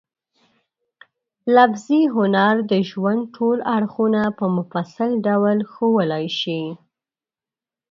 لفظي هنر د ژوند ټول اړخونه په مفصل ډول ښوولای شي.